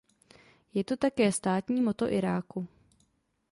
Je to také státní motto Iráku.